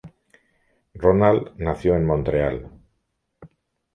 Ronald nació en Montreal.